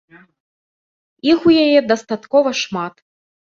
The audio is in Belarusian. Іх у яе дастаткова шмат.